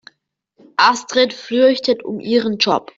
Astrid fürchtet um ihren Job.